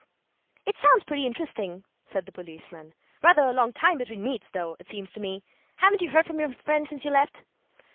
"It sounds pretty interesting," said the policeman. "Rather a long time between meets, though, it seems to me. Haven't you heard from your friend since you left?"